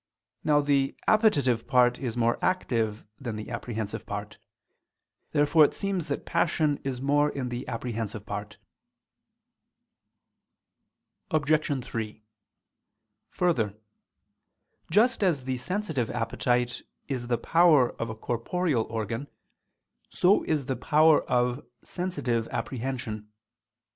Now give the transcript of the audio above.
Now the appetitive part is more active than the apprehensive part. Therefore it seems that passion is more in the apprehensive part. Obj. 3: Further, just as the sensitive appetite is the power of a corporeal organ, so is the power of sensitive apprehension.